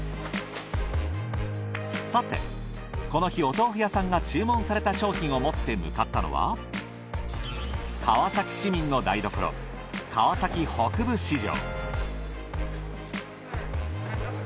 さてこの日お豆腐屋さんが注文された商品を持って向かったのは川崎市民の台所川崎北部市場。